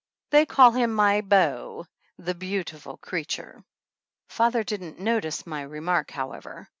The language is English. They call him my beau the beautiful creature ! Father didn't notice my remark, however.